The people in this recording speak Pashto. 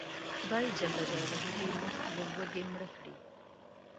خدای ج دې موږ له لوږې مړه کړي